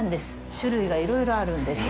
種類がいろいろあるんです。